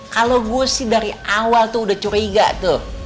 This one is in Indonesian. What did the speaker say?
kalau gue sih dari awal tuh udah curiga tuh